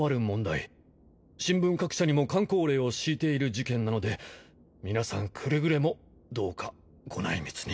新聞各社にもかん口令をしいている事件なので皆さんくれぐれもどうかご内密に。